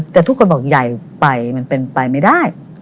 แต่ทุกคนบอกใหญ่ไปมันเป็นไปไม่ได้